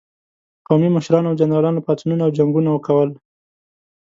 قومي مشرانو او جنرالانو پاڅونونه او جنګونه کول.